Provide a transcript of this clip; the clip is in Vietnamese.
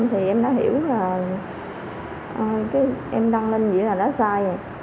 thì em đã hiểu là em đăng lên gì là đã sai rồi